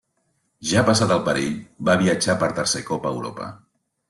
Ja passat el perill va viatjar per tercer cop a Europa.